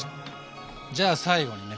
じゃあ最後にね